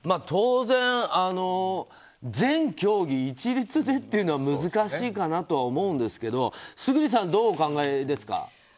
当然、全競技で一律でっていうのは難しいかなって思うんですけど村主さん、どうお考えですか。